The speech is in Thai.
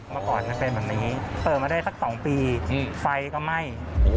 เมื่อก่อนมันเป็นแบบนี้เปิดมาได้สัก๒ปีไฟก็ไหม้